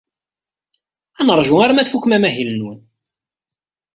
Ad neṛju arma tfukem amahil-nwen.